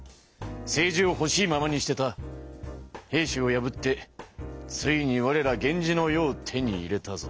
政治をほしいままにしてた平氏を破ってついにわれら源氏の世を手に入れたぞ。